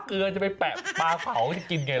เกลือจะไปแปะปลาเผาจะกินไง